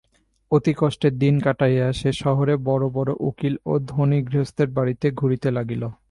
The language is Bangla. অতিকষ্টে দিন কটাইয়া সে শহরের বড় বড় উকিল ও ধনী গৃহস্থের বাড়িতে ঘুরিতে লাগিল।